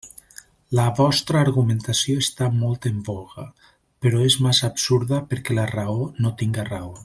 La vostra argumentació està molt en voga, però és massa absurda perquè la raó no tinga raó.